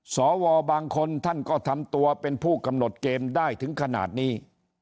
สวบางคนท่านก็ทำตัวเป็นผู้กำหนดเกมได้ถึงขนาดนี้